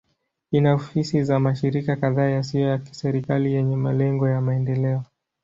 Ina ofisi za mashirika kadhaa yasiyo ya kiserikali yenye malengo ya maendeleo.